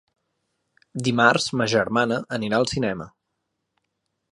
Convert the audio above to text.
Dimarts ma germana anirà al cinema.